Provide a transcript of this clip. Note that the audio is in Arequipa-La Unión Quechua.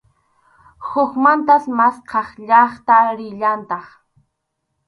Hukmantas maskhaq llaqta rillantaq.